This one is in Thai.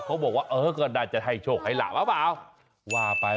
เขาบอกว่าก่อนได้มันจะให้โชคไฟระล่ำหรอเปล่า